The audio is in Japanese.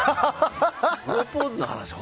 プロポーズの話は。